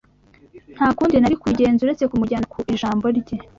Nta kundi nari kubigenza uretse kumujyana ku ijambo rye.